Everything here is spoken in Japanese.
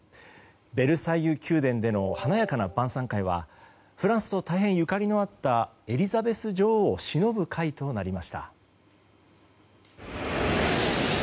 ベルサイユ宮殿での華やかな晩さん会はフランスと大変ゆかりのあったエリザベス女王をしのぶ会となりました。